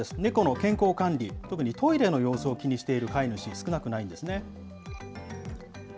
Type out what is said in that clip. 猫の健康管理、特にトイレの様子を気にしている飼い主、少なくないんですね。